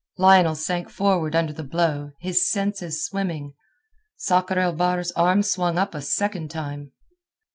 Lionel sank forward under the blow, his senses swimming. Sakr el Bahr's arm swung up a second time.